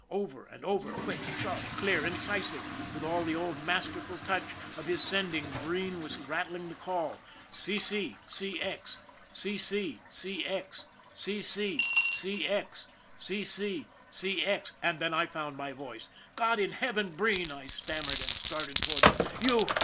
Over and over, quick, sharp, clear, incisive, with all the old masterful touch of his sending Breen was rattling the call cc,cx cc,cx cc,cx cc,cx. And then I found my voice. " God in Heaven, Breen !" I stammered, and started toward him. "You!